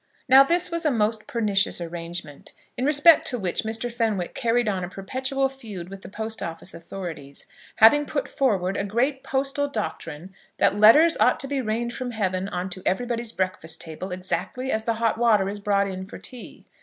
Now this was a most pernicious arrangement, in respect to which Mr. Fenwick carried on a perpetual feud with the Post office authorities, having put forward a great postal doctrine that letters ought to be rained from heaven on to everybody's breakfast table exactly as the hot water is brought in for tea.